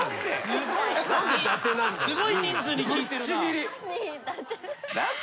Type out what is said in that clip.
すごい人数に聞いてるな。